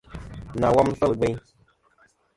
Nà wom nɨ̀n fêl a gvêyn.